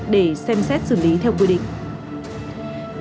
để xem xét xử lý theo quy định